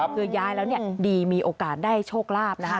คือย้ายแล้วดีมีโอกาสได้โชคลาภนะคะ